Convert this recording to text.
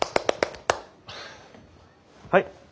はい。